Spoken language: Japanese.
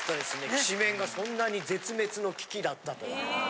きしめんがそんなに絶滅の危機だったとは。